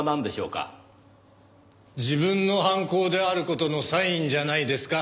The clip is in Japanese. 自分の犯行である事のサインじゃないですか。